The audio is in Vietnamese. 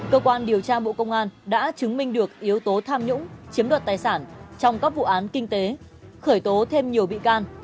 cơ quan điều tra bộ công an đã chứng minh được yếu tố tham nhũng chiếm đoạt tài sản trong các vụ án kinh tế khởi tố thêm nhiều bị can